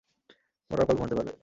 মরার পর ঘুমাতে পারবে!